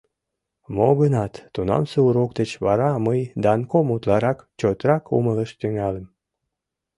Мо-гынат, тунамсе урок деч вара мый Данком утларак чотрак умылаш тӱҥальым.